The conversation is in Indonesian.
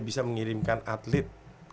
bisa mengirimkan atlet